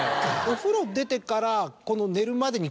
お風呂出てからこの。